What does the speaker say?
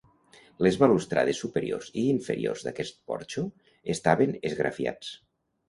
Les balustrades superiors i inferiors, d'aquest porxo, estaven esgrafiats.